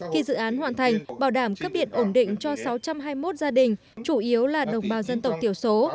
khi dự án hoàn thành bảo đảm cấp điện ổn định cho sáu trăm hai mươi một gia đình chủ yếu là đồng bào dân tộc tiểu số